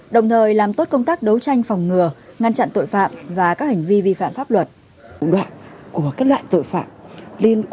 đồng thời làm tốt công tác đấu tranh phòng ngừa ngăn chặn tội phạm và các hành vi vi phạm pháp luận